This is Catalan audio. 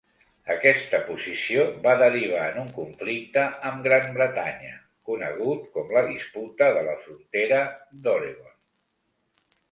Aquesta posició va derivar en un conflicte amb Gran Bretanya, conegut com la disputa de la frontera d'Oregon.